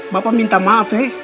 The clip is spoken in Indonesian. bapak minta maaf ya